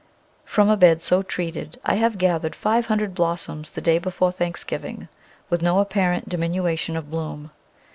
From a bed so treated I gathered five hundred blossoms the day before Thanksgiving with no apparent diminution of bloom.